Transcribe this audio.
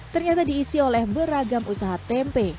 ternyata diisi oleh beragam usaha tempe